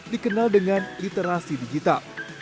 dikenal dengan literasi digital